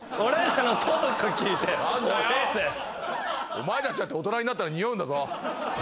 お前たちだって大人になったら臭うんだぞ。